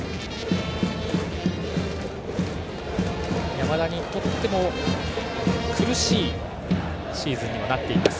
山田にとっても苦しいシーズンにもなっています。